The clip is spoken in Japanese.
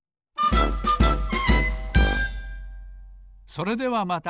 それではまた！